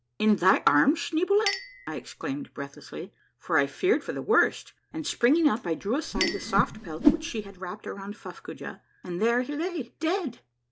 " In thy arms, Schneeboule ?" I exclaimed breathlessly, for I feared for the worst, and springing up I di'ew aside the soft pelt which she had wrapped around Fuffcoojah, and there he lay, dead